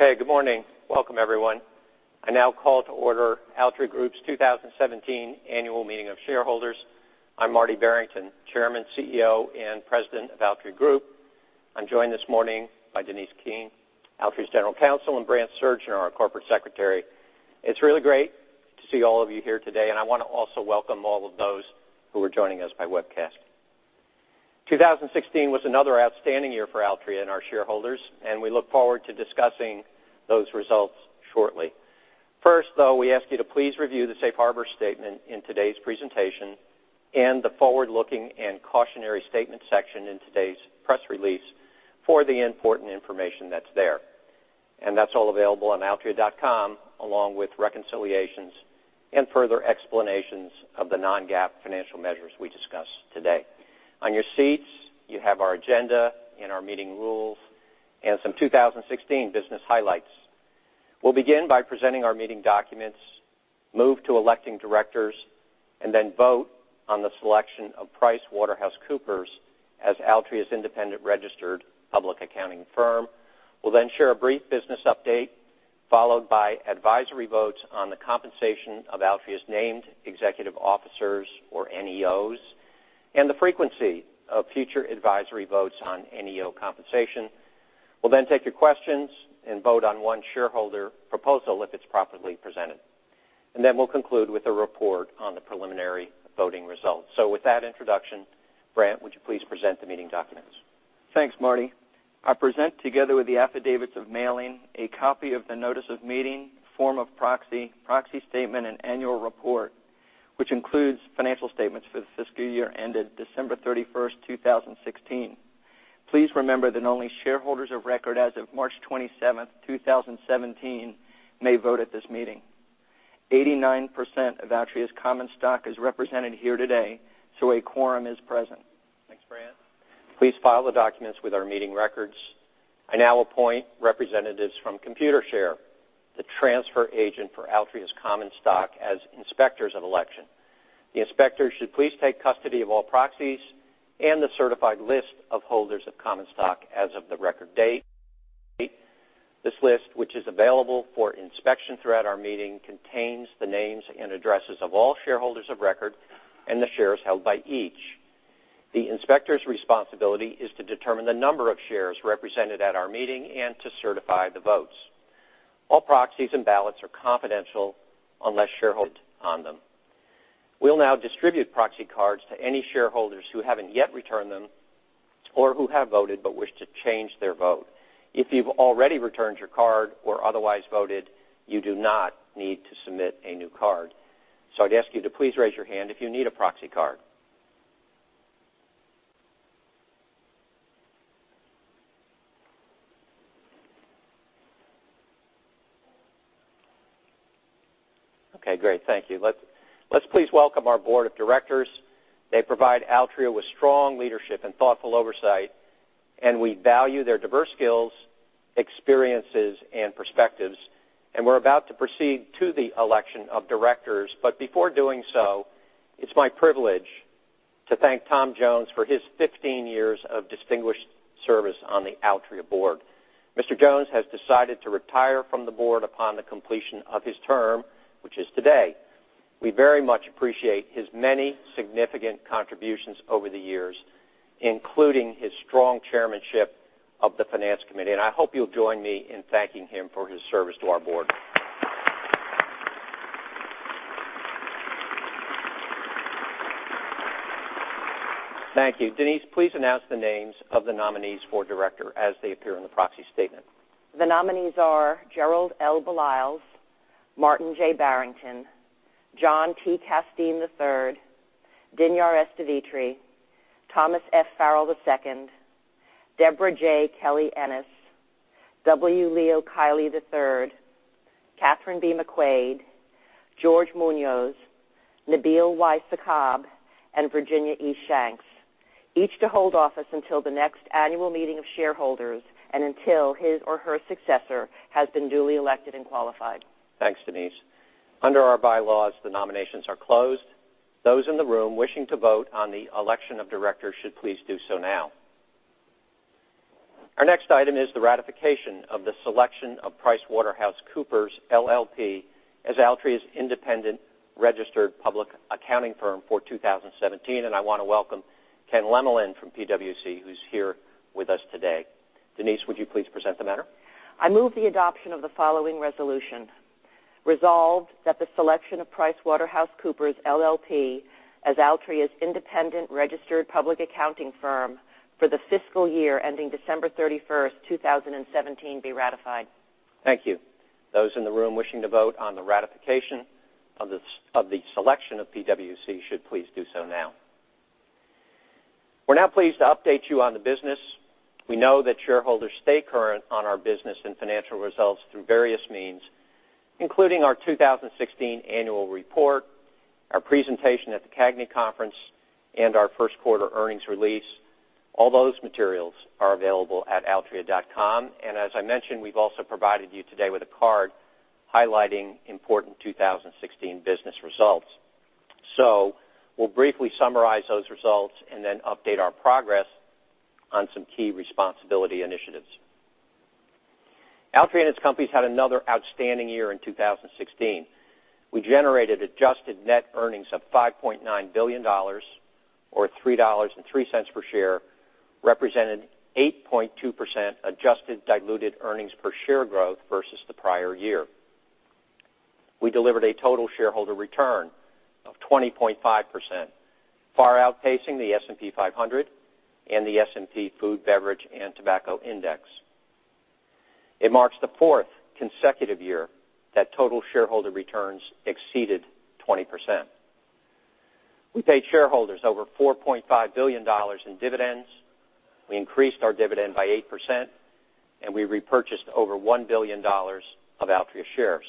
Good morning. Welcome, everyone. I now call to order Altria Group's 2017 annual meeting of shareholders. I'm Marty Barrington, Chairman, CEO, and President of Altria Group. I'm joined this morning by Denise F. Keane, Altria's General Counsel, and Brant Surgner, our Corporate Secretary. It's really great to see all of you here today, and I want to also welcome all of those who are joining us by webcast. 2016 was another outstanding year for Altria and our shareholders, and we look forward to discussing those results shortly. First, though, we ask you to please review the safe harbor statement in today's presentation and the forward-looking and cautionary statement section in today's press release for the important information that's there. That's all available on altria.com along with reconciliations and further explanations of the non-GAAP financial measures we discuss today. On your seats, you have our agenda and our meeting rules and some 2016 business highlights. We'll begin by presenting our meeting documents, move to electing directors, and then vote on the selection of PricewaterhouseCoopers as Altria's independent registered public accounting firm. We'll then share a brief business update, followed by advisory votes on the compensation of Altria's Named Executive Officers, or NEOs, and the frequency of future advisory votes on NEO compensation. We'll then take your questions and vote on one shareholder proposal if it's properly presented. We'll then conclude with a report on the preliminary voting results. With that introduction, Brant, would you please present the meeting documents? Thanks, Marty. I present, together with the affidavits of mailing, a copy of the notice of meeting, form of proxy statement, and annual report, which includes financial statements for the fiscal year ended December 31st, 2016. Please remember that only shareholders of record as of March 27th, 2017, may vote at this meeting. 89% of Altria's common stock is represented here today, a quorum is present. Thanks, Brant. Please file the documents with our meeting records. I now appoint representatives from Computershare, the transfer agent for Altria's common stock, as inspectors of election. The inspectors should please take custody of all proxies and the certified list of holders of common stock as of the record date. This list, which is available for inspection throughout our meeting, contains the names and addresses of all shareholders of record and the shares held by each. The inspector's responsibility is to determine the number of shares represented at our meeting and to certify the votes. All proxies and ballots are confidential unless shareholders want to vote on them. We'll now distribute proxy cards to any shareholders who haven't yet returned them or who have voted but wish to change their vote. If you've already returned your card or otherwise voted, you do not need to submit a new card. I'd ask you to please raise your hand if you need a proxy card. Okay, great. Thank you. Let's please welcome our board of directors. They provide Altria with strong leadership and thoughtful oversight. We value their diverse skills, experiences, and perspectives. We're about to proceed to the election of directors, but before doing so, it's my privilege to thank Tom Jones for his 15 years of distinguished service on the Altria board. Mr. Jones has decided to retire from the board upon the completion of his term, which is today. We very much appreciate his many significant contributions over the years, including his strong chairmanship of the finance committee. I hope you'll join me in thanking him for his service to our board. Thank you. Denise, please announce the names of the nominees for director as they appear in the proxy statement. The nominees are Gerald L. Baliles, Martin J. Barrington, John T. Casteen III, Dinyar S. Devitre, Thomas F. Farrell II, Debra J. Kelly-Ennis, W. Leo Kiely III, Kathryn B. McQuade, George Muñoz, Nabil Y. Sakkab, and Virginia E. Shanks, each to hold office until the next annual meeting of shareholders and until his or her successor has been duly elected and qualified. Thanks, Denise. Under our bylaws, the nominations are closed. Those in the room wishing to vote on the election of directors should please do so now. Our next item is the ratification of the selection of PricewaterhouseCoopers LLP as Altria's independent registered public accounting firm for 2017. I want to welcome Ken Lemelin from PwC, who's here with us today. Denise, would you please present the matter? I move the adoption of the following resolution. Resolved that the selection of PricewaterhouseCoopers LLP as Altria's independent registered public accounting firm for the fiscal year ending December 31st, 2017, be ratified. Thank you. Those in the room wishing to vote on the ratification of the selection of PwC should please do so now. We're now pleased to update you on the business. We know that shareholders stay current on our business and financial results through various means, including our 2016 annual report, our presentation at the CAGNY Conference, and our first quarter earnings release. All those materials are available at altria.com. As I mentioned, we've also provided you today with a card highlighting important 2016 business results. We'll briefly summarize those results and then update our progress on some key responsibility initiatives. Altria and its companies had another outstanding year in 2016. We generated adjusted net earnings of $5.9 billion, or $3.03 per share, representing 8.2% adjusted diluted earnings per share growth versus the prior year. We delivered a total shareholder return of 20.5%, far outpacing the S&P 500 and the S&P Food, Beverage, and Tobacco Index. It marks the fourth consecutive year that total shareholder returns exceeded 20%. We paid shareholders over $4.5 billion in dividends. We increased our dividend by 8%, and we repurchased over $1 billion of Altria shares.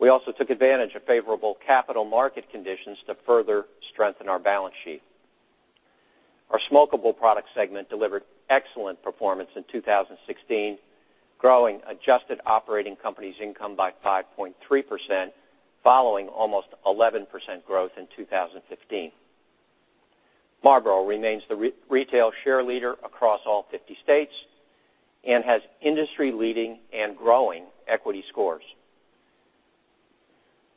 We also took advantage of favorable capital market conditions to further strengthen our balance sheet. Our smokable products segment delivered excellent performance in 2016, growing adjusted operating company's income by 5.3%, following almost 11% growth in 2015. Marlboro remains the retail share leader across all 50 states and has industry-leading and growing equity scores.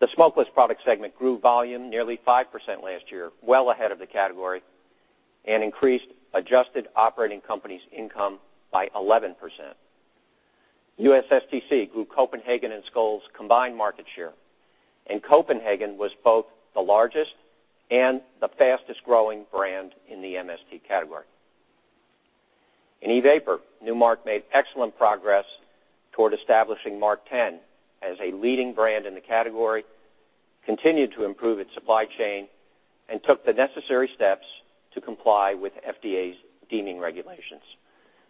The smokeless products segment grew volume nearly 5% last year, well ahead of the category, and increased adjusted operating company's income by 11%. USSTC grew Copenhagen and Skoal's combined market share, and Copenhagen was both the largest and the fastest-growing brand in the MST category. In e-vapor, Nu Mark made excellent progress toward establishing MarkTen as a leading brand in the category, continued to improve its supply chain, and took the necessary steps to comply with FDA's deeming regulations.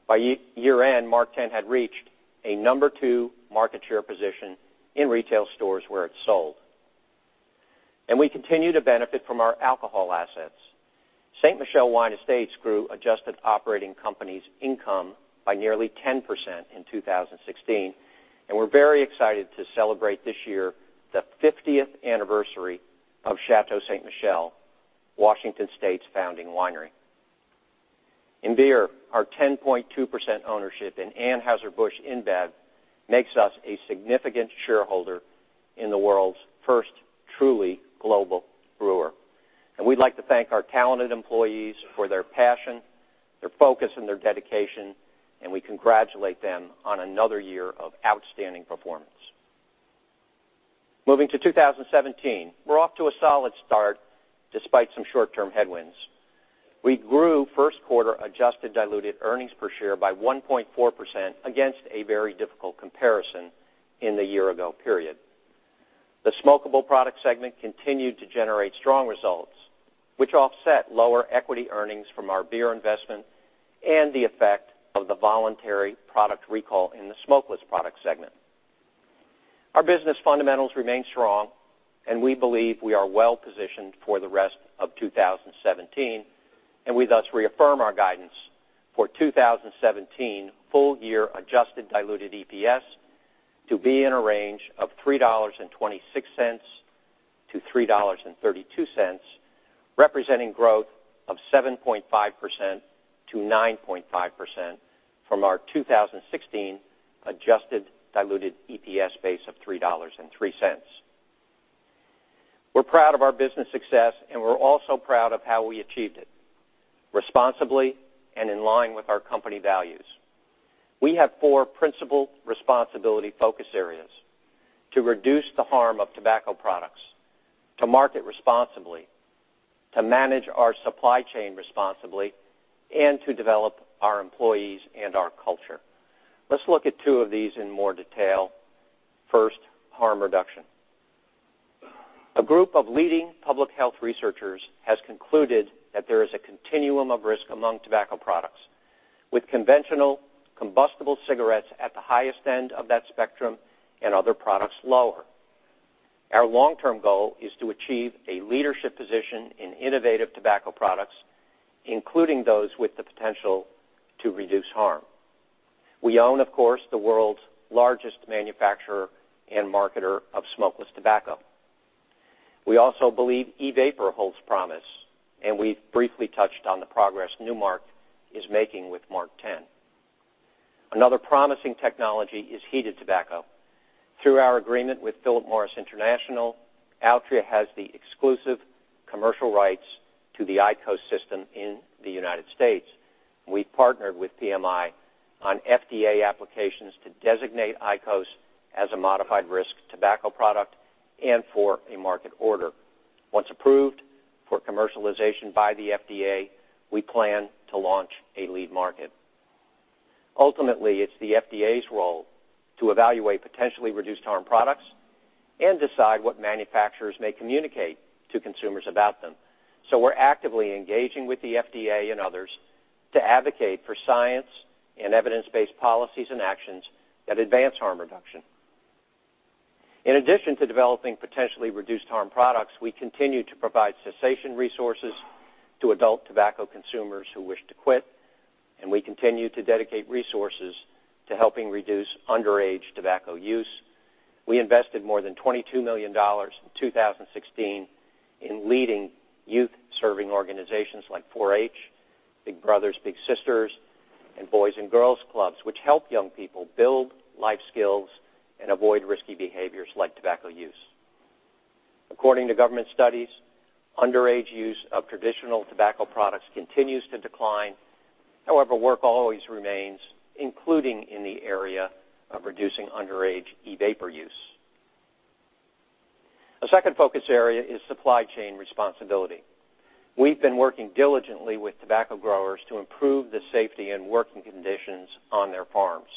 By year-end, MarkTen had reached a number 2 market share position in retail stores where it's sold. We continue to benefit from our alcohol assets. Ste. Michelle Wine Estates grew adjusted operating company's income by nearly 10% in 2016, and we're very excited to celebrate this year, the 50th anniversary of Chateau Ste. Michelle, Washington State's founding winery. In beer, our 10.2% ownership in Anheuser-Busch InBev makes us a significant shareholder in the world's first truly global brewer. We'd like to thank our talented employees for their passion, their focus, and their dedication, and we congratulate them on another year of outstanding performance. Moving to 2017. We're off to a solid start despite some short-term headwinds. We grew first quarter adjusted diluted earnings per share by 1.4% against a very difficult comparison in the year-ago period. The smokable products segment continued to generate strong results, which offset lower equity earnings from our beer investment and the effect of the voluntary product recall in the smokeless products segment. Our business fundamentals remain strong, and we believe we are well positioned for the rest of 2017, and we thus reaffirm our guidance for 2017 full-year adjusted diluted EPS to be in a range of $3.26-$3.32, representing growth of 7.5%-9.5% from our 2016 adjusted diluted EPS base of $3.03. We're proud of our business success. We're also proud of how we achieved it, responsibly and in line with our company values. We have four principal responsibility focus areas: to reduce the harm of tobacco products, to market responsibly, to manage our supply chain responsibly, and to develop our employees and our culture. Let's look at two of these in more detail. First, harm reduction. A group of leading public health researchers has concluded that there is a continuum of risk among tobacco products, with conventional combustible cigarettes at the highest end of that spectrum and other products lower. Our long-term goal is to achieve a leadership position in innovative tobacco products, including those with the potential to reduce harm. We own, of course, the world's largest manufacturer and marketer of smokeless tobacco. We also believe e-vapor holds promise. We've briefly touched on the progress Nu Mark is making with MarkTen. Another promising technology is heated tobacco. Through our agreement with Philip Morris International, Altria has the exclusive commercial rights to the IQOS system in the U.S. We've partnered with PMI on FDA applications to designate IQOS as a modified risk tobacco product and for a market order. Once approved for commercialization by the FDA, we plan to launch a lead market. Ultimately, it's the FDA's role to evaluate potentially reduced-harm products and decide what manufacturers may communicate to consumers about them. We're actively engaging with the FDA and others to advocate for science and evidence-based policies and actions that advance harm reduction. In addition to developing potentially reduced-harm products, we continue to provide cessation resources to adult tobacco consumers who wish to quit. We continue to dedicate resources to helping reduce underage tobacco use. We invested more than $22 million in 2016 in leading youth-serving organizations like 4-H, Big Brothers Big Sisters, and Boys & Girls Clubs, which help young people build life skills and avoid risky behaviors like tobacco use. According to government studies, underage use of traditional tobacco products continues to decline. However, work always remains, including in the area of reducing underage e-vapor use. A second focus area is supply chain responsibility. We've been working diligently with tobacco growers to improve the safety and working conditions on their farms.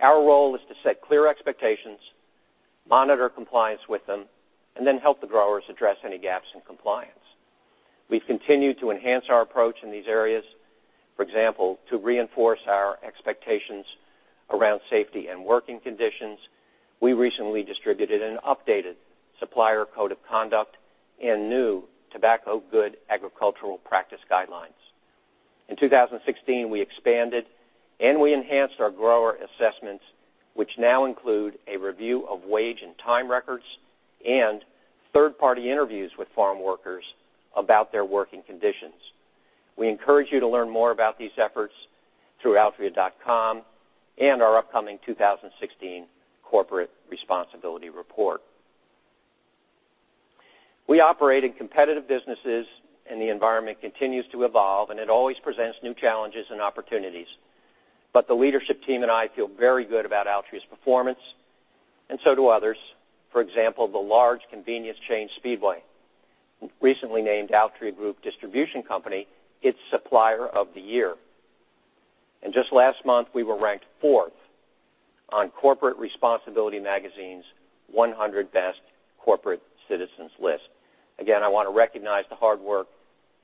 Our role is to set clear expectations, monitor compliance with them, then help the growers address any gaps in compliance. We've continued to enhance our approach in these areas. For example, to reinforce our expectations around safety and working conditions, we recently distributed an updated supplier code of conduct and new tobacco good agricultural practice guidelines. In 2016, we expanded and we enhanced our grower assessments, which now include a review of wage and time records and third-party interviews with farm workers about their working conditions. We encourage you to learn more about these efforts through altria.com and our upcoming 2016 corporate responsibility report. We operate in competitive businesses. The environment continues to evolve, and it always presents new challenges and opportunities. The leadership team and I feel very good about Altria's performance, and so do others. For example, the large convenience chain Speedway recently named Altria Group Distribution Company its supplier of the year. Just last month, we were ranked fourth on Corporate Responsibility Magazine's 100 Best Corporate Citizens list. Again, I want to recognize the hard work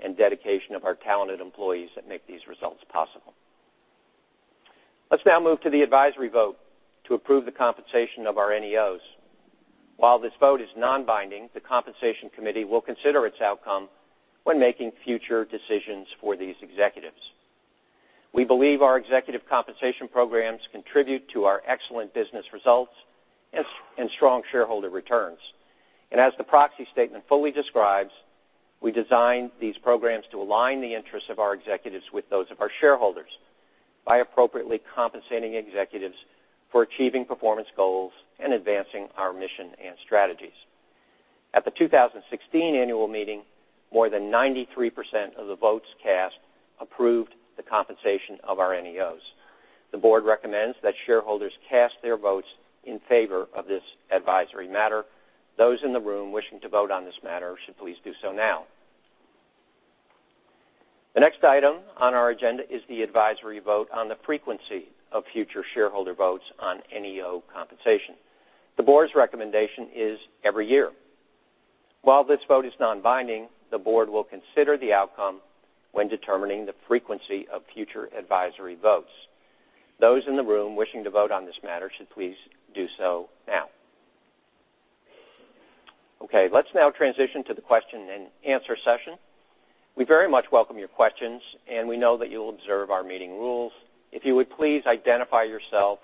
and dedication of our talented employees that make these results possible. Let's now move to the advisory vote to approve the compensation of our NEOs. While this vote is non-binding, the compensation committee will consider its outcome when making future decisions for these executives. We believe our executive compensation programs contribute to our excellent business results and strong shareholder returns. As the proxy statement fully describes, we designed these programs to align the interests of our executives with those of our shareholders by appropriately compensating executives for achieving performance goals and advancing our mission and strategies. At the 2016 annual meeting, more than 93% of the votes cast approved the compensation of our NEOs. The board recommends that shareholders cast their votes in favor of this advisory matter. Those in the room wishing to vote on this matter should please do so now. The next item on our agenda is the advisory vote on the frequency of future shareholder votes on NEO compensation. The board's recommendation is every year. While this vote is non-binding, the board will consider the outcome when determining the frequency of future advisory votes. Those in the room wishing to vote on this matter should please do so now. Okay, let's now transition to the question and answer session. We very much welcome your questions, and we know that you'll observe our meeting rules. If you would please identify yourself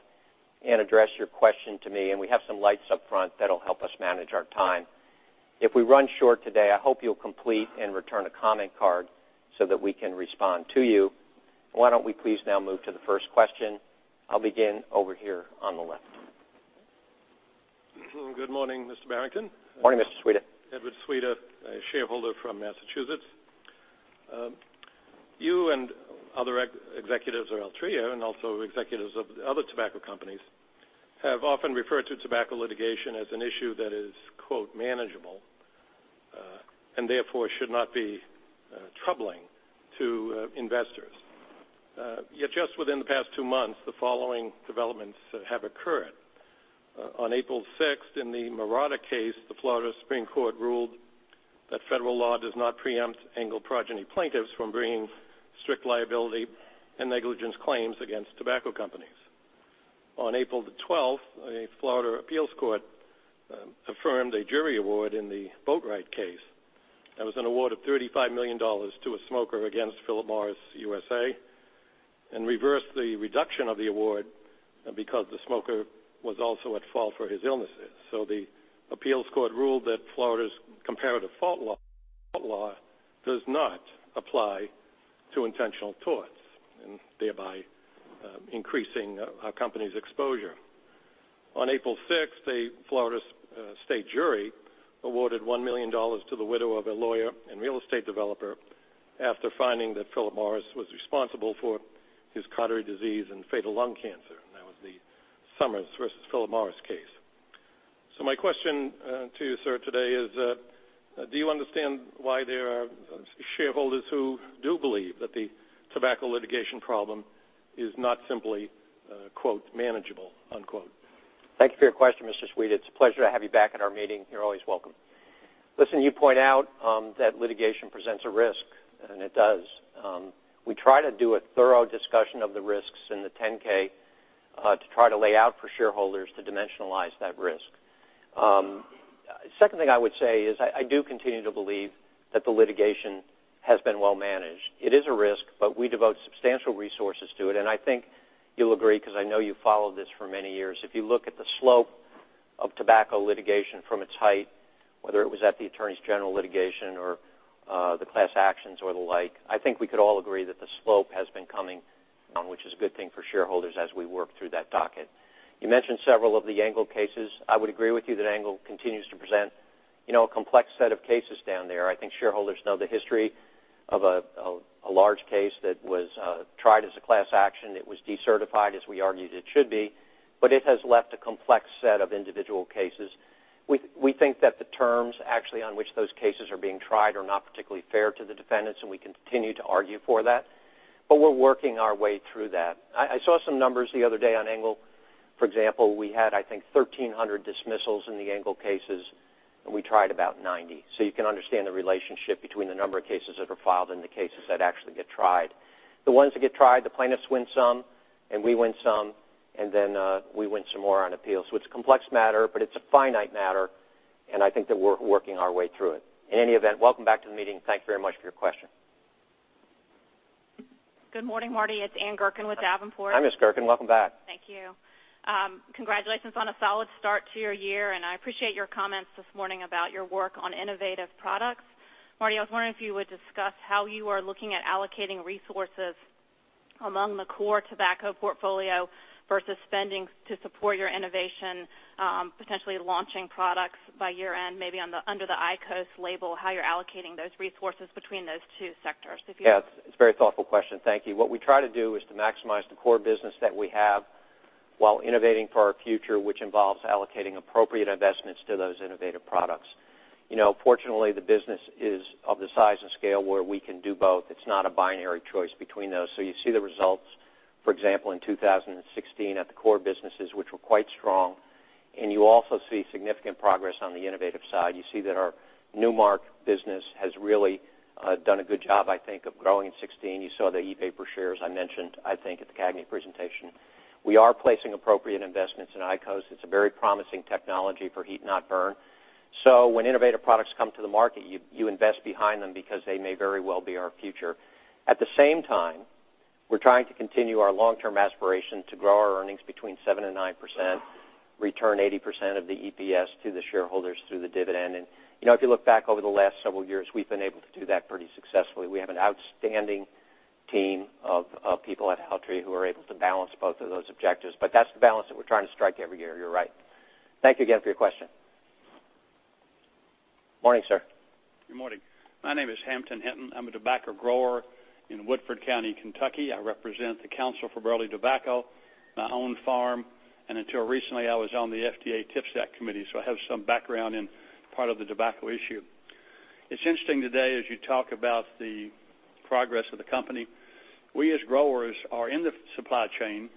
and address your question to me. We have some lights up front that'll help us manage our time. If we run short today, I hope you'll complete and return a comment card so that we can respond to you. Why don't we please now move to the first question? I'll begin over here on the left. Good morning, Mr. Barrington. Morning, Mr. Sweda. Edward Sweda, a shareholder from Massachusetts. You and other executives of Altria and also executives of other tobacco companies have often referred to tobacco litigation as an issue that is, quote, "manageable" and therefore should not be troubling to investors. Yet just within the past two months, the following developments have occurred. On April 6th, in the Marotta case, the Florida Supreme Court ruled that federal law does not preempt Engle progeny plaintiffs from bringing strict liability and negligence claims against tobacco companies. On April the 12th, a Florida appeals court affirmed a jury award in the Boatwright case. That was an award of $35 million to a smoker against Philip Morris USA and reversed the reduction of the award because the smoker was also at fault for his illnesses. The appeals court ruled that Florida's comparative fault law does not apply to intentional torts and thereby increasing our company's exposure. On April 6th, a Florida state jury awarded $1 million to the widow of a lawyer and real estate developer after finding that Philip Morris was responsible for his coronary disease and fatal lung cancer. That was the Sommers versus Philip Morris case. My question to you, sir, today is, do you understand why there are shareholders who do believe that the tobacco litigation problem is not simply, quote, "manageable," unquote? Thank you for your question, Mr. Sweda. It's a pleasure to have you back in our meeting. You're always welcome. Listen, you point out that litigation presents a risk, and it does. We try to do a thorough discussion of the risks in the 10-K to try to lay out for shareholders to dimensionalize that risk. Second thing I would say is I do continue to believe that the litigation has been well managed. It is a risk, but we devote substantial resources to it, and I think you'll agree, because I know you've followed this for many years. If you look at the slope of tobacco litigation from its height, whether it was at the attorneys general litigation or the class actions or the like, I think we could all agree that the slope has been coming down, which is a good thing for shareholders as we work through that docket. You mentioned several of the Engle cases. I would agree with you that Engle continues to present a complex set of cases down there. I think shareholders know the history of a large case that was tried as a class action. It was decertified as we argued it should be, it has left a complex set of individual cases. We think that the terms actually on which those cases are being tried are not particularly fair to the defendants, and we continue to argue for that. We're working our way through that. I saw some numbers the other day on Engle. For example, we had, I think, 1,300 dismissals in the Engle cases, and we tried about 90. You can understand the relationship between the number of cases that are filed and the cases that actually get tried. The ones that get tried, the plaintiffs win some, and we win some, we win some more on appeals. It's a complex matter, but it's a finite matter, and I think that we're working our way through it. In any event, welcome back to the meeting. Thank you very much for your question. Good morning, Marty. It's Anne Gurkin with Davenport. Hi, Ms. Gerken. Welcome back. Thank you. Congratulations on a solid start to your year, and I appreciate your comments this morning about your work on innovative products. Marty, I was wondering if you would discuss how you are looking at allocating resources among the core tobacco portfolio versus spending to support your innovation, potentially launching products by year-end, maybe under the IQOS label, how you're allocating those resources between those two sectors. It's a very thoughtful question. Thank you. What we try to do is to maximize the core business that we have while innovating for our future, which involves allocating appropriate investments to those innovative products. Fortunately, the business is of the size and scale where we can do both. It's not a binary choice between those. You see the results, for example, in 2016 at the core businesses, which were quite strong, and you also see significant progress on the innovative side. You see that our Nu Mark business has really done a good job, I think, of growing in 2016. You saw the e-vapor shares I mentioned, I think, at the CAGNY presentation. We are placing appropriate investments in IQOS. It's a very promising technology for heat-not-burn. When innovative products come to the market, you invest behind them because they may very well be our future. At the same time, we're trying to continue our long-term aspiration to grow our earnings between 7% and 9%, return 80% of the EPS to the shareholders through the dividend. If you look back over the last several years, we've been able to do that pretty successfully. We have an outstanding team of people at Altria who are able to balance both of those objectives. That's the balance that we're trying to strike every year. You're right. Thank you again for your question. Morning, sir. Good morning. My name is Hampton Hinton. I'm a tobacco grower in Woodford County, Kentucky. I represent the Council for Burley Tobacco. I own a farm, and until recently, I was on the FDA TPSAC committee, so I have some background in part of the tobacco issue. It's interesting today as you talk about the progress of the company. We as growers are in the supply chain,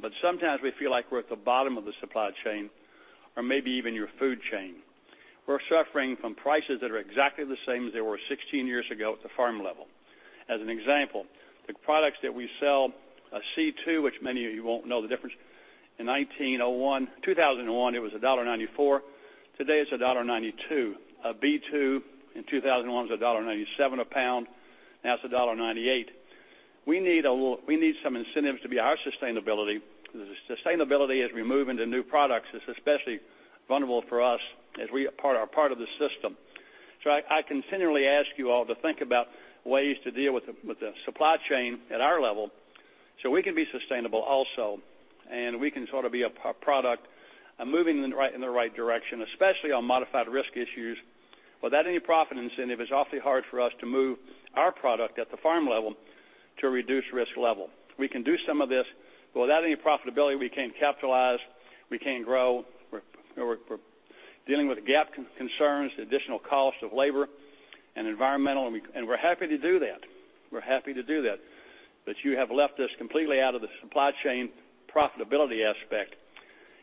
but sometimes we feel like we're at the bottom of the supply chain or maybe even your food chain. We're suffering from prices that are exactly the same as they were 16 years ago at the farm level. As an example, the products that we sell, a C2, which many of you won't know the difference. In 2001, it was $1.94. Today, it's $1.92. A B2 in 2001 was $1.97 a pound. Now it's $1.98. We need some incentives to be our sustainability. Sustainability as we move into new products is especially vulnerable for us as we are part of the system. I continually ask you all to think about ways to deal with the supply chain at our level so we can be sustainable also, and we can be a product moving in the right direction, especially on modified risk issues. Without any profit incentive, it's awfully hard for us to move our product at the farm level to a reduced risk level. We can do some of this, but without any profitability, we can't capitalize, we can't grow. We're dealing with GAAP concerns, additional cost of labor, and environmental. We're happy to do that. You have left us completely out of the supply chain profitability aspect.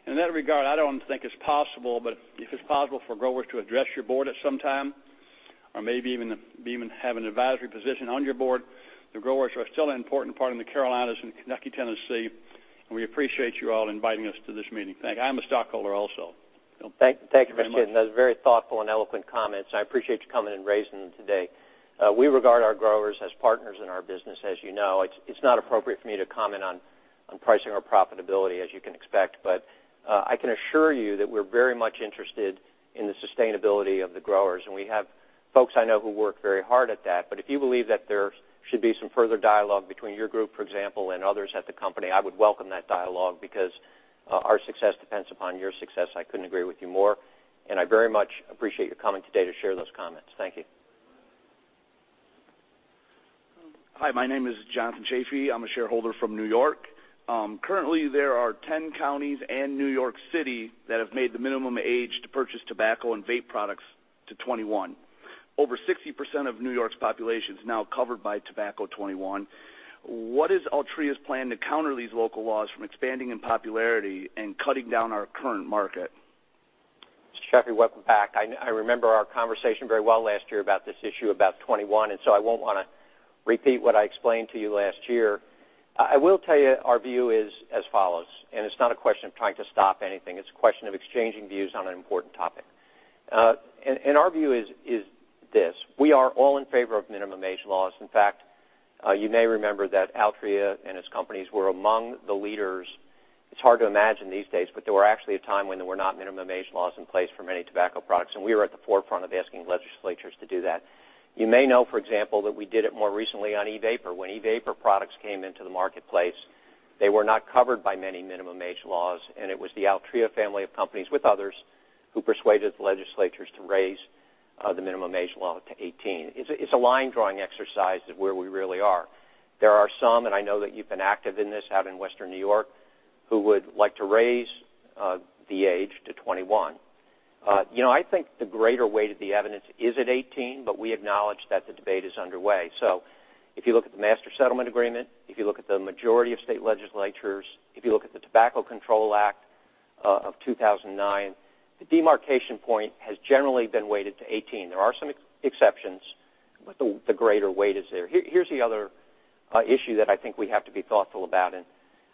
In that regard, I don't think it's possible, but if it's possible for growers to address your board at some time, or maybe even have an advisory position on your board. The growers are still an important part in the Carolinas and Kentucky, Tennessee. We appreciate you all inviting us to this meeting. Thank you. I'm a stockholder also. Thank you, Mr. Hinton. Those are very thoughtful and eloquent comments. I appreciate you coming and raising them today. We regard our growers as partners in our business, as you know. It's not appropriate for me to comment on pricing or profitability, as you can expect. I can assure you that we're very much interested in the sustainability of the growers, and we have folks I know who work very hard at that. If you believe that there should be some further dialogue between your group, for example, and others at the company, I would welcome that dialogue because our success depends upon your success. I couldn't agree with you more, and I very much appreciate you coming today to share those comments. Thank you. Hi, my name is Jonathan Chaffee. I'm a shareholder from New York. Currently, there are 10 counties and New York City that have made the minimum age to purchase tobacco and vape products to 21. Over 60% of New York's population is now covered by Tobacco 21. What is Altria's plan to counter these local laws from expanding in popularity and cutting down our current market? Mr. Chaffee, welcome back. I remember our conversation very well last year about this issue about 21. I won't want to repeat what I explained to you last year. I will tell you our view is as follows, and it's not a question of trying to stop anything. It's a question of exchanging views on an important topic. Our view is this, we are all in favor of minimum age laws. In fact, you may remember that Altria and its companies were among the leaders. It's hard to imagine these days, but there were actually a time when there were not minimum age laws in place for many tobacco products, and we were at the forefront of asking legislatures to do that. You may know, for example, that we did it more recently on e-vapor. When e-vapor products came into the marketplace, they were not covered by many minimum age laws, and it was the Altria family of companies with others who persuaded the legislatures to raise the minimum age law to 18. It's a line-drawing exercise of where we really are. There are some, and I know that you've been active in this out in Western New York, who would like to raise the age to 21. I think the greater weight of the evidence is at 18, but we acknowledge that the debate is underway. If you look at the Master Settlement Agreement, if you look at the majority of state legislatures, if you look at the Tobacco Control Act of 2009, the demarcation point has generally been weighted to 18. There are some exceptions, but the greater weight is there. Here's the other issue that I think we have to be thoughtful about, and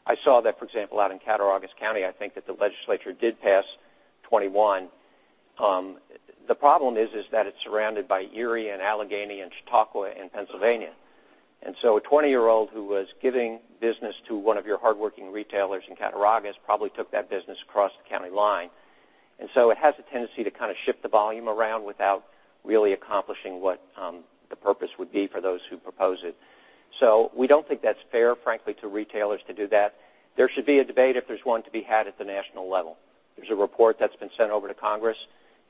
I saw that, for example, out in Cattaraugus County, I think that the legislature did pass 21. The problem is that it's surrounded by Erie and Allegheny and Chautauqua and Pennsylvania. A 20-year-old who was giving business to one of your hardworking retailers in Cattaraugus probably took that business across the county line. It has a tendency to shift the volume around without really accomplishing what the purpose would be for those who propose it. We don't think that's fair, frankly, to retailers to do that. There should be a debate if there's one to be had at the national level. There's a report that's been sent over to Congress,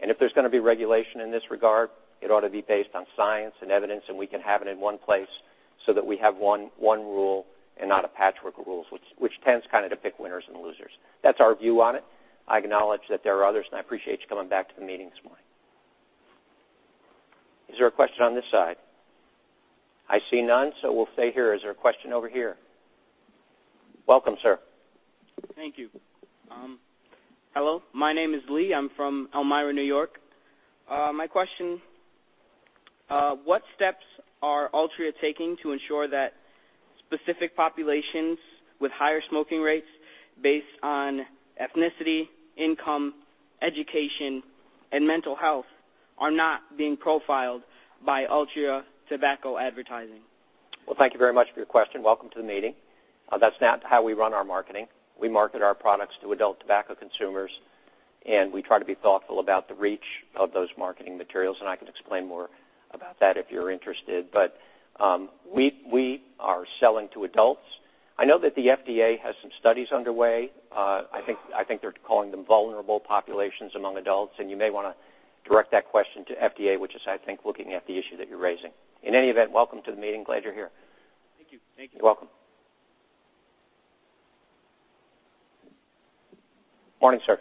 if there's going to be regulation in this regard, it ought to be based on science and evidence, and we can have it in one place so that we have one rule and not a patchwork of rules, which tends to pick winners and losers. That's our view on it. I acknowledge that there are others, and I appreciate you coming back to the meeting this morning. Is there a question on this side? I see none, we'll stay here. Is there a question over here? Welcome, sir. Thank you. Hello, my name is Lee. I'm from Elmira, New York. My question, what steps are Altria taking to ensure that specific populations with higher smoking rates based on ethnicity, income, education, and mental health are not being profiled by Altria tobacco advertising? Thank you very much for your question. Welcome to the meeting. That's not how we run our marketing. We market our products to adult tobacco consumers. We try to be thoughtful about the reach of those marketing materials. I can explain more about that if you're interested. We are selling to adults. I know that the FDA has some studies underway. I think they're calling them vulnerable populations among adults. You may want to direct that question to FDA, which is, I think, looking at the issue that you're raising. In any event, welcome to the meeting. Glad you're here. Thank you. You're welcome. Morning, sir.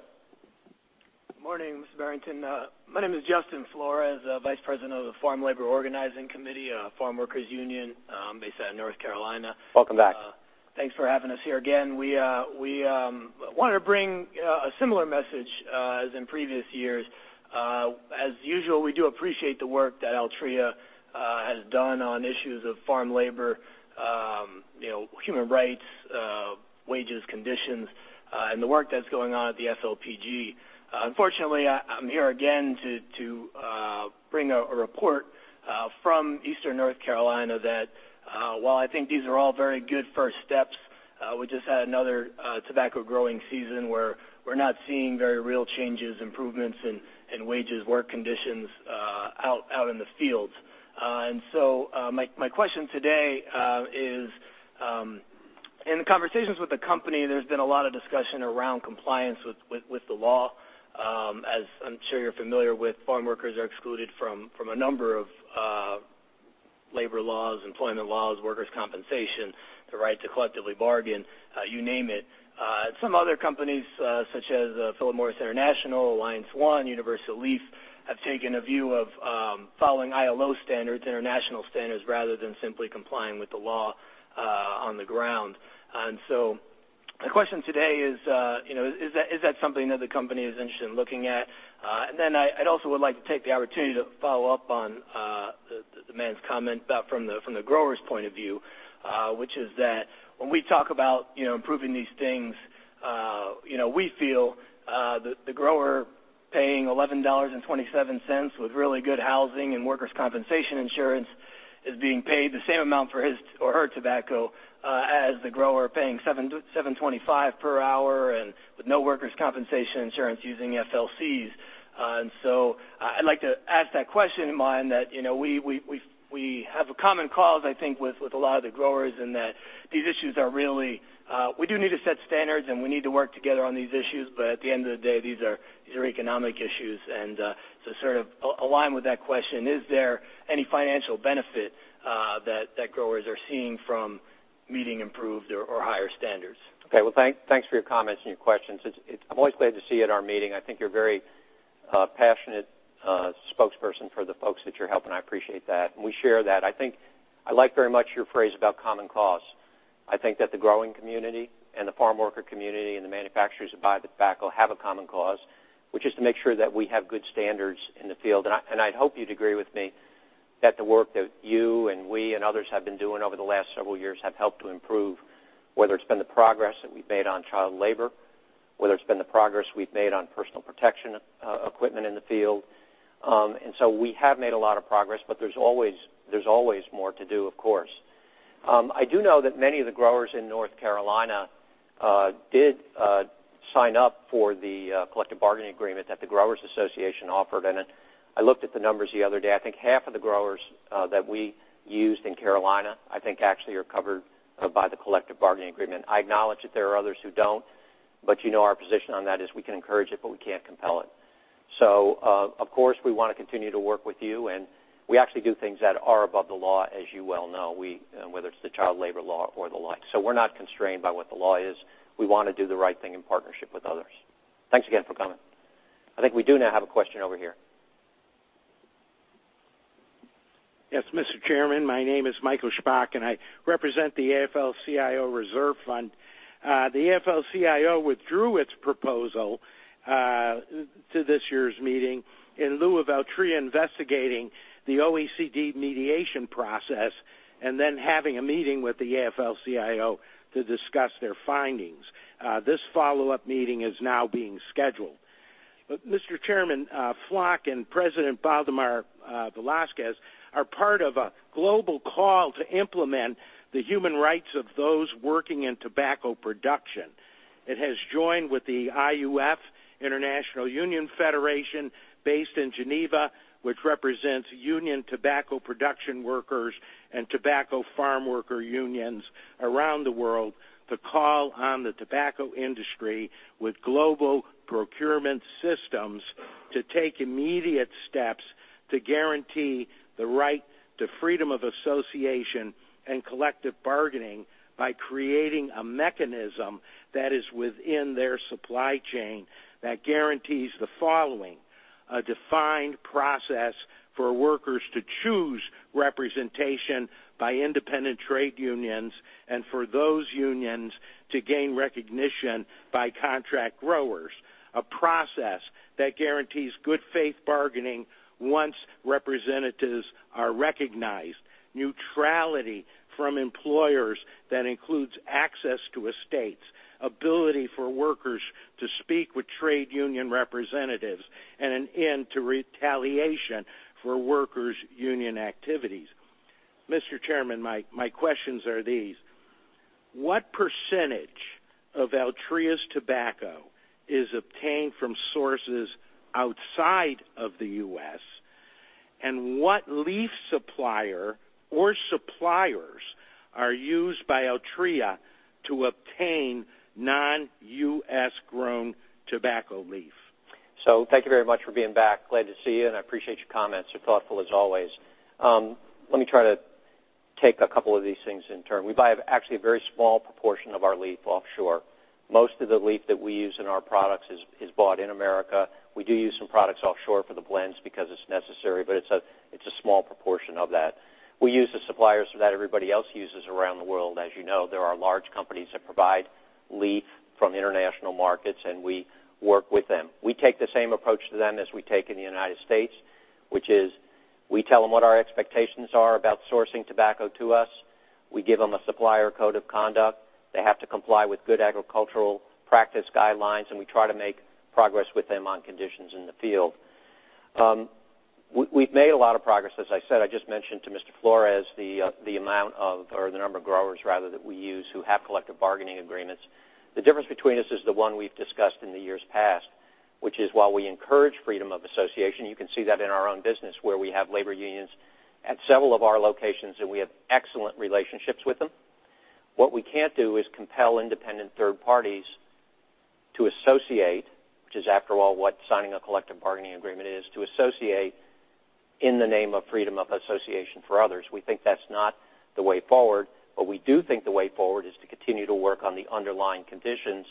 Morning, Mr. Barrington. My name is Justin Flores, vice president of the Farm Labor Organizing Committee, a farm workers union based out of North Carolina. Welcome back. Thanks for having us here again. We wanted to bring a similar message as in previous years. As usual, we do appreciate the work that Altria has done on issues of farm labor, human rights, wages, conditions, and the work that's going on at the FLPG. Unfortunately, I'm here again to bring a report from Eastern North Carolina that while I think these are all very good first steps, we just had another tobacco growing season where we're not seeing very real changes, improvements in wages, work conditions out in the fields. My question today is, in the conversations with the company, there's been a lot of discussion around compliance with the law. As I'm sure you're familiar with, farm workers are excluded from a number of labor laws, employment laws, workers' compensation, the right to collectively bargain, you name it. Some other companies such as Philip Morris International, Alliance One, Universal Leaf, have taken a view of following ILO standards, international standards, rather than simply complying with the law on the ground. The question today is that something that the company is interested in looking at? I'd also would like to take the opportunity to follow up on the man's comment from the grower's point of view, which is that when we talk about improving these things, we feel the grower paying $11.27 with really good housing and workers' compensation insurance is being paid the same amount for his or her tobacco as the grower paying $7.25 per hour and with no workers' compensation insurance using FLCs. I'd like to ask that question in mind that we have a common cause, I think, with a lot of the growers in that these issues are really we do need to set standards and we need to work together on these issues. At the end of the day, these are economic issues. To sort of align with that question, is there any financial benefit that growers are seeing from meeting improved or higher standards? Okay. Well, thanks for your comments and your questions. I'm always glad to see you at our meeting. I think you're a very passionate spokesperson for the folks that you're helping. I appreciate that. We share that. I like very much your phrase about common cause. I think that the growing community and the farm worker community and the manufacturers who buy the tobacco have a common cause, which is to make sure that we have good standards in the field. I'd hope you'd agree with me that the work that you and we and others have been doing over the last several years have helped to improve, whether it's been the progress that we've made on child labor, whether it's been the progress we've made on personal protection equipment in the field. We have made a lot of progress, but there's always more to do, of course. I do know that many of the growers in North Carolina did sign up for the collective bargaining agreement that the Growers Association offered. I looked at the numbers the other day. Half of the growers that we used in Carolina, I think, actually are covered by the collective bargaining agreement. I acknowledge that there are others who don't, but you know our position on that is we can encourage it, but we can't compel it. Of course, we want to continue to work with you, and we actually do things that are above the law, as you well know, whether it's the child labor law or the like. We're not constrained by what the law is. We want to do the right thing in partnership with others. Thanks again for coming. I think we do now have a question over here. Yes, Mr. Chairman, my name is Michael Shpak. I represent the AFL-CIO Reserve Fund. The AFL-CIO withdrew its proposal to this year's meeting in lieu of Altria investigating the OECD mediation process then having a meeting with the AFL-CIO to discuss their findings. This follow-up meeting is now being scheduled. Mr. Chairman, FLOC and President Baldemar Velásquez are part of a global call to implement the human rights of those working in tobacco production. It has joined with the IUF, International Union Federation, based in Geneva, which represents union tobacco production workers and tobacco farm worker unions around the world to call on the tobacco industry with global procurement systems to take immediate steps to guarantee the right to freedom of association and collective bargaining by creating a mechanism that is within their supply chain that guarantees the following: A defined process for workers to choose representation by independent trade unions for those unions to gain recognition by contract growers. A process that guarantees good faith bargaining once representatives are recognized. Neutrality from employers that includes access to estates, ability for workers to speak with trade union representatives, an end to retaliation for workers' union activities. Mr. Chairman, my questions are these. What % of Altria's tobacco is obtained from sources outside of the U.S.? What leaf supplier or suppliers are used by Altria to obtain non-U.S.-grown tobacco leaf? Thank you very much for being back. Glad to see you. I appreciate your comments. They're thoughtful as always. Let me try to take a couple of these things in turn. We buy actually a very small proportion of our leaf offshore. Most of the leaf that we use in our products is bought in America. We do use some products offshore for the blends because it's necessary, but it's a small proportion of that. We use the suppliers that everybody else uses around the world. As you know, there are large companies that provide leaf from international markets. We work with them. We take the same approach to them as we take in the United States, which is we tell them what our expectations are about sourcing tobacco to us. We give them a supplier code of conduct. They have to comply with good agricultural practice guidelines. We try to make progress with them on conditions in the field. We've made a lot of progress, as I said. I just mentioned to Mr. Flores the amount of, or the number of growers rather, that we use who have collective bargaining agreements. The difference between us is the one we've discussed in the years past, which is while we encourage freedom of association, you can see that in our own business where we have labor unions at several of our locations, and we have excellent relationships with them. We can't do is compel independent third parties to associate, which is after all what signing a collective bargaining agreement is, to associate in the name of freedom of association for others. We think that's not the way forward. We do think the way forward is to continue to work on the underlying conditions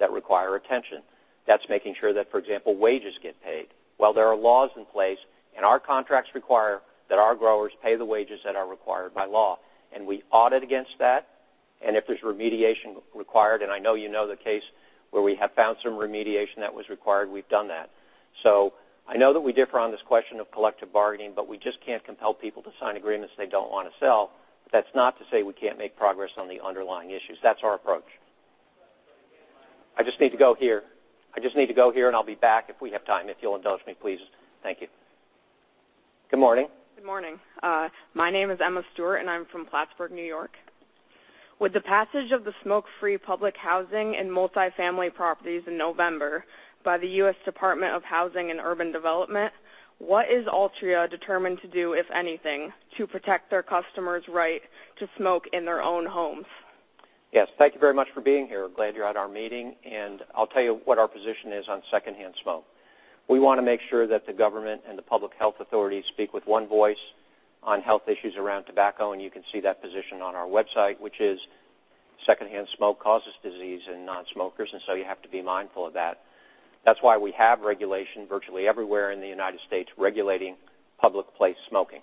that require attention. That's making sure that, for example, wages get paid. While there are laws in place, our contracts require that our growers pay the wages that are required by law. We audit against that. If there's remediation required, I know you know the case where we have found some remediation that was required, we've done that. I know that we differ on this question of collective bargaining. We just can't compel people to sign agreements they don't want to sign. That's not to say we can't make progress on the underlying issues. That's our approach. I just need to go here. I'll be back if we have time. If you'll indulge me, please. Thank you. Good morning. Good morning. My name is Emma Stewart. I'm from Plattsburgh, New York. With the passage of the Smoke-Free Public Housing and Multifamily Properties in November by the U.S. Department of Housing and Urban Development, what is Altria determined to do, if anything, to protect their customers' right to smoke in their own homes? Yes. Thank you very much for being here. Glad you're at our meeting. I'll tell you what our position is on secondhand smoke. We want to make sure that the government and the public health authorities speak with one voice on health issues around tobacco. You can see that position on our website, which is secondhand smoke causes disease in non-smokers. You have to be mindful of that. That's why we have regulation virtually everywhere in the U.S. regulating public place smoking.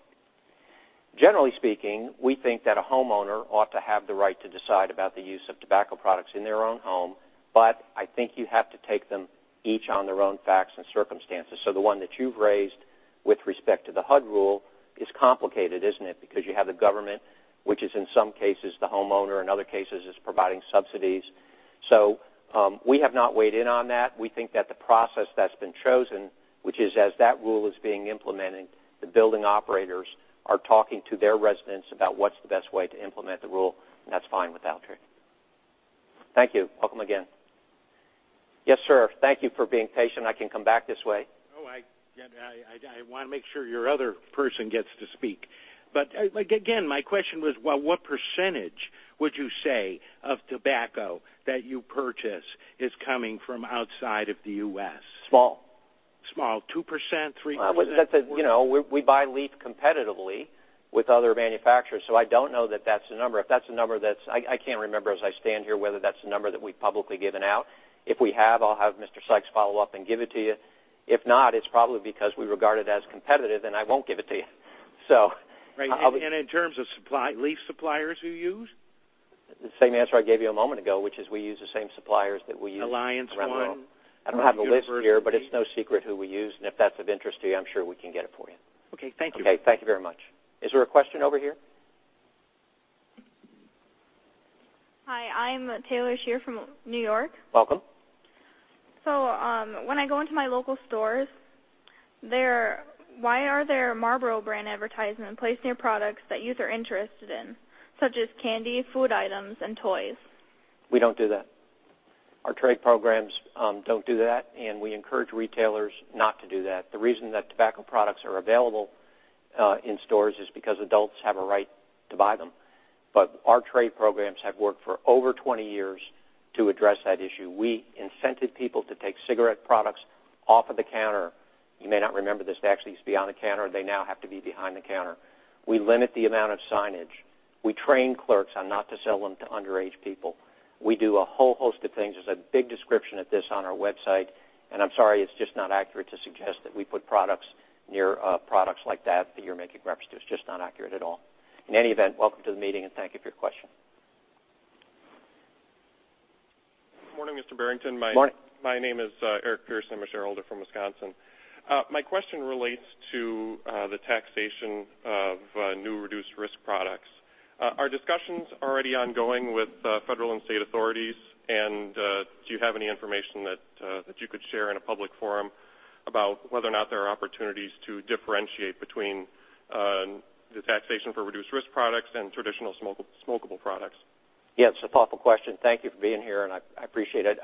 Generally speaking, we think that a homeowner ought to have the right to decide about the use of tobacco products in their own home. I think you have to take them each on their own facts and circumstances. The one that you've raised with respect to the HUD rule is complicated, isn't it? You have the government, which is in some cases the homeowner, in other cases is providing subsidies. We have not weighed in on that. We think that the process that's been chosen, which is as that rule is being implemented, the building operators are talking to their residents about what's the best way to implement the rule. That's fine with Altria. Thank you. Welcome again. Yes, sir. Thank you for being patient. I can come back this way. I want to make sure your other person gets to speak. Again, my question was, what % would you say of tobacco that you purchase is coming from outside of the U.S.? Small. Small, 2%, 3%? We buy leaf competitively with other manufacturers, I don't know that that's the number. I can't remember as I stand here whether that's the number that we've publicly given out. If we have, I'll have Mr. Sikes follow up and give it to you. If not, it's probably because we regard it as competitive, and I won't give it to you. Right. In terms of leaf suppliers you use? The same answer I gave you a moment ago, which is we use the same suppliers that we use around the world. Alliance One? I don't have a list here, but it's no secret who we use. If that's of interest to you, I'm sure we can get it for you. Okay, thank you. Okay, thank you very much. Is there a question over here? Hi, I'm Taylor Shear from New York. Welcome. When I go into my local stores, why are there Marlboro brand advertisements placed near products that youth are interested in, such as candy, food items, and toys? We don't do that. Our trade programs don't do that, and we encourage retailers not to do that. The reason that tobacco products are available in stores is because adults have a right to buy them. Our trade programs have worked for over 20 years to address that issue. We incented people to take cigarette products off of the counter. You may not remember this. They actually used to be on the counter. They now have to be behind the counter. We limit the amount of signage. We train clerks on not to sell them to underage people. We do a whole host of things. There's a big description of this on our website. I'm sorry, it's just not accurate to suggest that we put products near products like that you're making references to. It's just not accurate at all. In any event, welcome to the meeting, and thank you for your question. Good morning, Mr. Barrington. Morning. My name is Eric Pearson. I'm a shareholder from Wisconsin. My question relates to the taxation of new reduced risk products. Are discussions already ongoing with federal and state authorities? Do you have any information that you could share in a public forum about whether or not there are opportunities to differentiate between the taxation for reduced risk products and traditional smokable products? Yeah, it's a thoughtful question. Thank you for being here, and I appreciate it.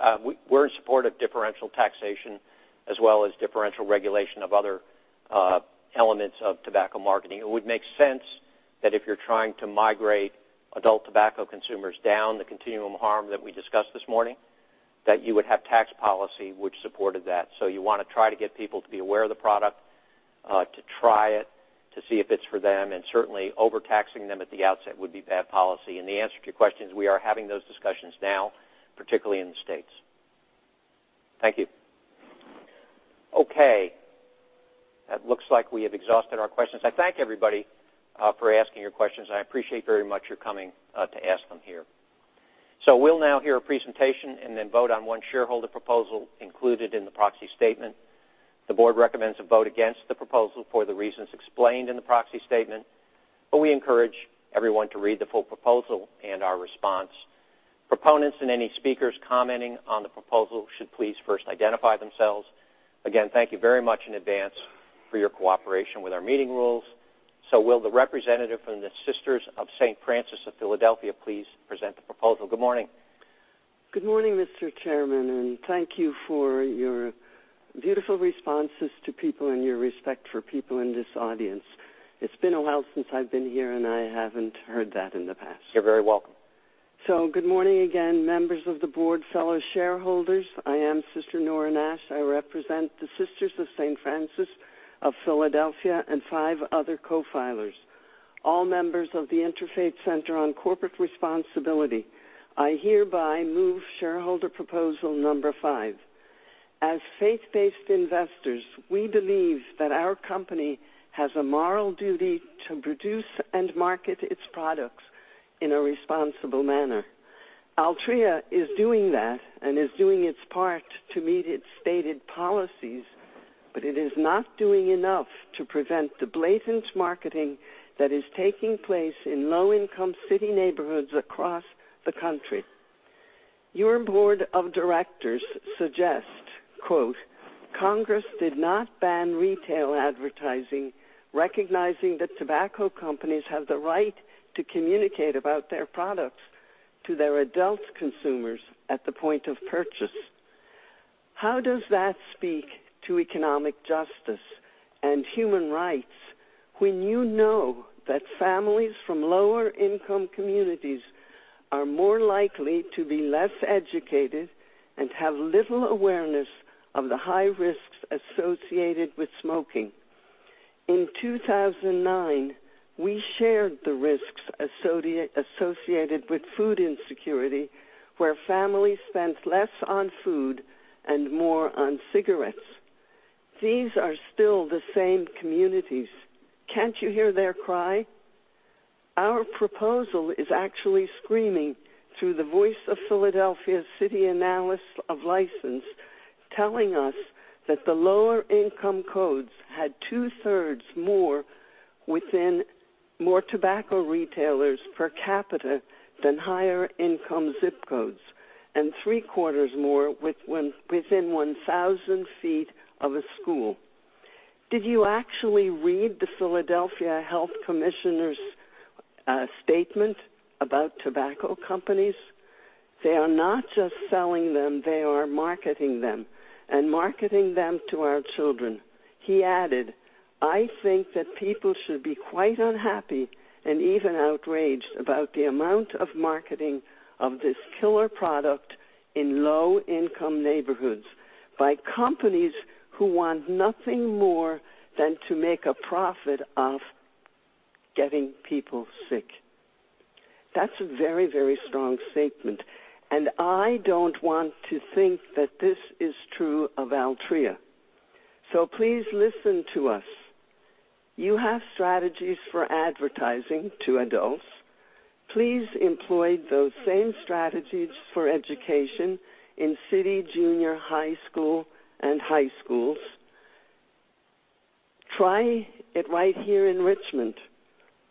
We're in support of differential taxation as well as differential regulation of other elements of tobacco marketing. It would make sense that if you're trying to migrate adult tobacco consumers down the continuum of harm that we discussed this morning, that you would have tax policy which supported that. You want to try to get people to be aware of the product, to try it, to see if it's for them, and certainly overtaxing them at the outset would be bad policy. The answer to your question is we are having those discussions now, particularly in the States. Thank you. Okay. That looks like we have exhausted our questions. I thank everybody for asking your questions. I appreciate very much your coming to ask them here. We'll now hear a presentation and then vote on one shareholder proposal included in the proxy statement. The board recommends a vote against the proposal for the reasons explained in the proxy statement. We encourage everyone to read the full proposal and our response. Proponents and any speakers commenting on the proposal should please first identify themselves. Again, thank you very much in advance for your cooperation with our meeting rules. Will the representative from the Sisters of St. Francis of Philadelphia please present the proposal? Good morning. Good morning, Mr. Chairman, and thank you for your beautiful responses to people and your respect for people in this audience. It's been a while since I've been here, and I haven't heard that in the past. You're very welcome. Good morning again, members of the board, fellow shareholders. I am Sister Nora Nash. I represent the Sisters of St. Francis of Philadelphia and five other co-filers, all members of the Interfaith Center on Corporate Responsibility. I hereby move shareholder proposal number five. As faith-based investors, we believe that our company has a moral duty to produce and market its products in a responsible manner. Altria is doing that and is doing its part to meet its stated policies, it is not doing enough to prevent the blatant marketing that is taking place in low-income city neighborhoods across the country. Your board of directors suggest, quote, "Congress did not ban retail advertising, recognizing that tobacco companies have the right to communicate about their products to their adult consumers at the point of purchase." How does that speak to economic justice and human rights when you know that families from lower income communities are more likely to be less educated and have little awareness of the high risks associated with smoking? In 2009, we shared the risks associated with food insecurity, where families spent less on food and more on cigarettes. These are still the same communities. Can't you hear their cry? Our proposal is actually screaming through the voice of Philadelphia's [city analyst of license], telling us that the lower income codes had two-thirds more tobacco retailers per capita than higher income zip codes, and three-quarters more within 1,000 feet of a school. Did you actually read the Philadelphia Thomas Farley's statement about tobacco companies? They are not just selling them. They are marketing them and marketing them to our children. He added, "I think that people should be quite unhappy and even outraged about the amount of marketing of this killer product in low-income neighborhoods by companies who want nothing more than to make a profit off getting people sick." That's a very, very strong statement, I don't want to think that this is true of Altria. Please listen to us. You have strategies for advertising to adults. Please employ those same strategies for education in city junior high school and high schools. Try it right here in Richmond.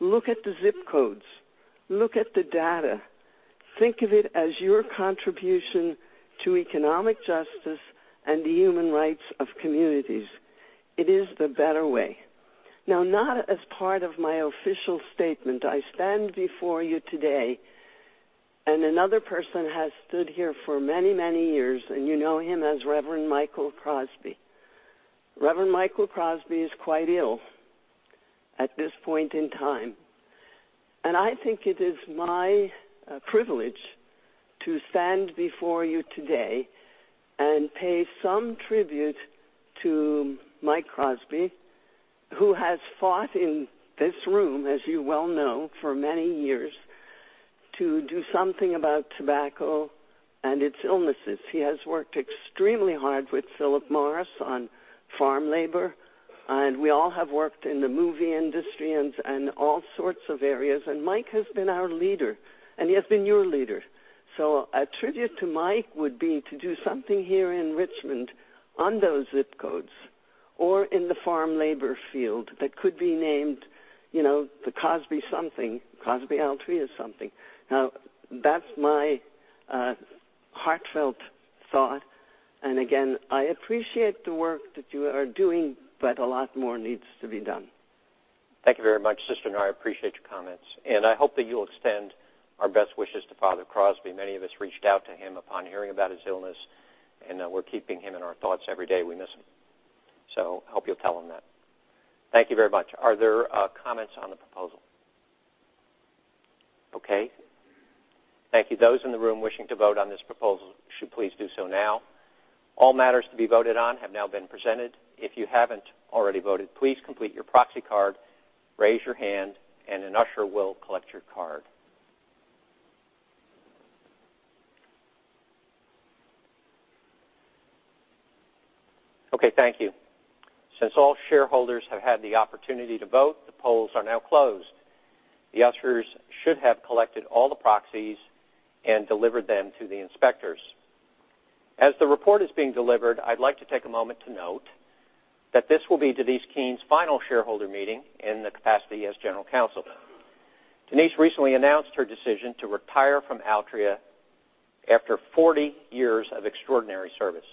Look at the zip codes. Look at the data. Think of it as your contribution to economic justice and the human rights of communities. It is the better way. Not as part of my official statement, I stand before you today, and another person has stood here for many, many years, and you know him as Reverend Michael Crosby. Reverend Michael Crosby is quite ill at this point in time, and I think it is my privilege to stand before you today and pay some tribute to Mike Crosby, who has fought in this room, as you well know, for many years, to do something about tobacco and its illnesses. He has worked extremely hard with Philip Morris on farm labor, and we all have worked in the movie industry and all sorts of areas, and Mike has been our leader, and he has been your leader. A tribute to Mike would be to do something here in Richmond on those zip codes or in the farm labor field that could be named the Crosby something, Crosby-Altria something. That's my heartfelt thought, and again, I appreciate the work that you are doing, but a lot more needs to be done. Thank you very much, Sister Nora. I appreciate your comments, and I hope that you'll extend our best wishes to Father Crosby. Many of us reached out to him upon hearing about his illness, and we're keeping him in our thoughts every day. We miss him. I hope you'll tell him that. Thank you very much. Are there comments on the proposal? Okay. Thank you. Those in the room wishing to vote on this proposal should please do so now. All matters to be voted on have now been presented. If you haven't already voted, please complete your proxy card, raise your hand, and an usher will collect your card. Okay, thank you. Since all shareholders have had the opportunity to vote, the polls are now closed. The ushers should have collected all the proxies and delivered them to the inspectors. As the report is being delivered, I'd like to take a moment to note that this will be Denise Keane's final shareholder meeting in the capacity as General Counsel. Denise recently announced her decision to retire from Altria after 40 years of extraordinary service.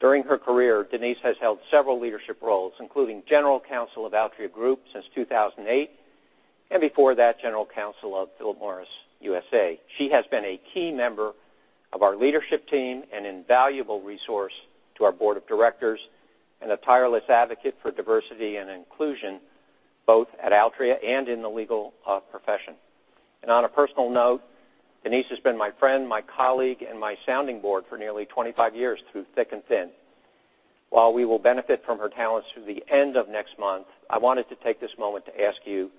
During her career, Denise has held several leadership roles, including General Counsel of Altria Group since 2008, and before that, General Counsel of Philip Morris USA. She has been a key member of our leadership team, an invaluable resource to our board of directors, and a tireless advocate for diversity and inclusion, both at Altria and in the legal profession. On a personal note, Denise has been my friend, my colleague, and my sounding board for nearly 25 years through thick and thin. While we will benefit from her talents through the end of next month, I wanted to take this moment to ask you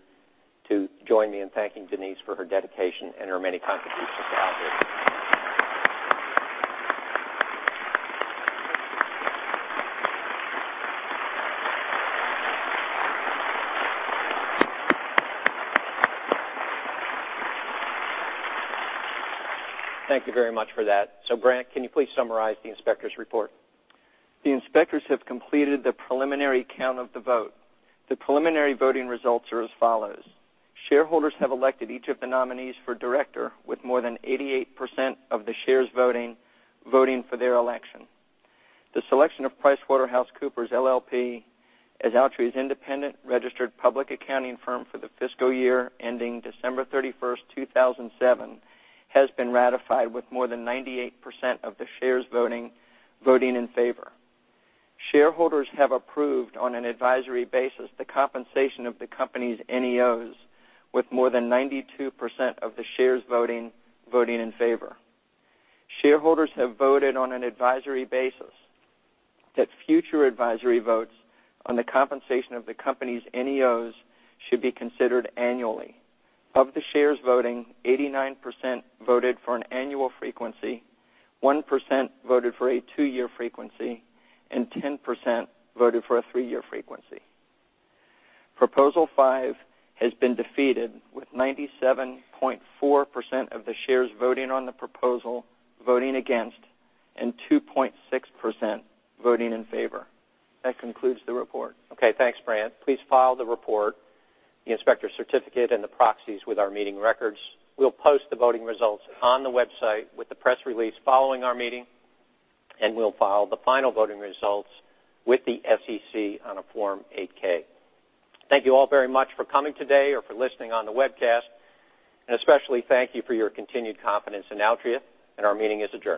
to join me in thanking Denise for her dedication and her many contributions to Altria. Thank you very much for that. Brant, can you please summarize the inspector's report? The inspectors have completed the preliminary count of the vote. The preliminary voting results are as follows. Shareholders have elected each of the nominees for director with more than 88% of the shares voting for their election. The selection of PricewaterhouseCoopers LLP as Altria's independent registered public accounting firm for the fiscal year ending December 31, 2017, has been ratified with more than 98% of the shares voting in favor. Shareholders have approved, on an advisory basis, the compensation of the company's NEOs with more than 92% of the shares voting in favor. Shareholders have voted on an advisory basis that future advisory votes on the compensation of the company's NEOs should be considered annually. Of the shares voting, 89% voted for an annual frequency, 1% voted for a two-year frequency, and 10% voted for a three-year frequency. Proposal five has been defeated with 97.4% of the shares voting on the proposal voting against and 2.6% voting in favor. That concludes the report. Thanks, Brant. Please file the report, the inspector certificate, and the proxies with our meeting records. We'll post the voting results on the website with the press release following our meeting, and we'll file the final voting results with the SEC on a Form 8-K. Thank you all very much for coming today or for listening on the webcast, and especially thank you for your continued confidence in Altria. Our meeting is adjourned.